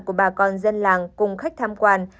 của bà con dân làng cùng khách tham quan